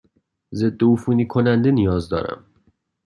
ضدعفونی کننده نیاز دارم.